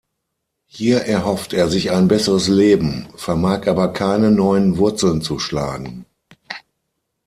Hier erhofft er sich ein besseres Leben, vermag aber keine neuen Wurzeln zu schlagen.